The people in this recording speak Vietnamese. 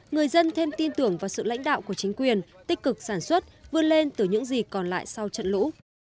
người dân thêm tin tưởng vào sự lãnh đạo của chính quyền tích cực sản xuất vươn lên từ những gì còn lại sau trận lũ